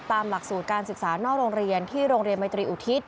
ตามหลักสูตรการศึกษานอกโรงเรียนที่โรงเรียนมัยตรีอุทิศ